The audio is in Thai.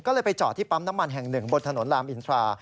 ก็เลยไปจอดที่ปั๊มน้ำมันแห่งหนึ่งบนถนนลามอินทรา